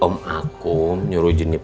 oke mue salam